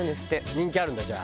人気あるんだじゃあ。